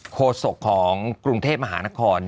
โศกของกรุงเทพมหานคร